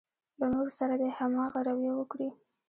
له نورو سره دې هماغه رويه وکړي.